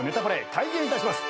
開演いたします。